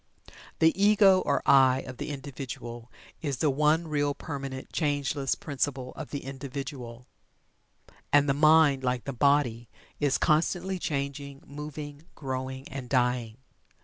The Ego or "I" of the individual is the one real, permanent, changeless principle of the individual, and the mind, like the body, is constantly changing, moving, growing, and dying.